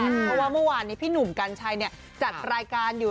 เพราะว่าเมื่อวานนี้พี่หนุ่มกัญชัยจัดรายการอยู่